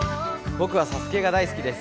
僕は「ＳＡＳＵＫＥ」が大好きです。